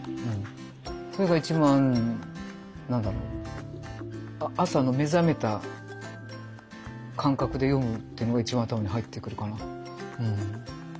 それが一番何だろう朝の目覚めた感覚で読むっていうのが一番頭に入ってくるかな。